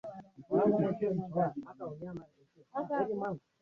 Muundo wa fukwe ya Mji Mkongwe ambayo ni maarufu duniani